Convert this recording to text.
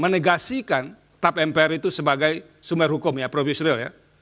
menegasikan tap mpr itu sebagai sumber hukum ya prof yusril ya